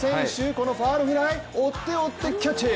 このファウルフライ追って追って、キャッチ。